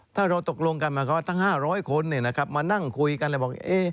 ถ้าเราตกลงกันหมายความว่าทั้ง๕๐๐คนมานั่งคุยกันแล้วบอก